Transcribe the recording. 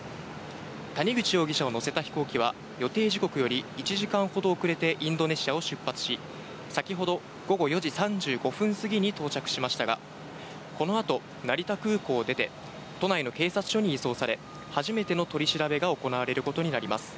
谷口容疑者を乗せた飛行機は、予定時刻より１時間ほど遅れてインドネシアを出発し、先ほど午後４時３５分過ぎに到着しましたが、このあと成田空港を出て、都内の警察署に移送され、初めての取り調べが行われることになります。